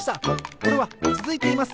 これはつづいています！